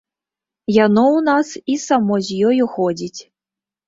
Яно ў нас і само з ёю ходзіць.